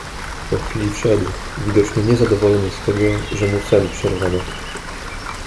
"Po chwili wszedł, widocznie niezadowolony z tego, że mu sen przerwano."